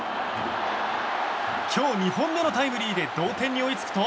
今日、２本目のタイムリーで同点に追いつくと。